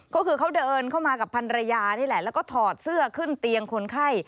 ก็คือเขาเดินเข้ามากับพันรยานี่แหละแล้วก็ถอดเสื้อขึ้นเตียงคนไข้